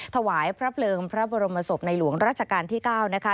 ถวายพระเพลิงพระบรมศพในหลวงราชการที่๙นะคะ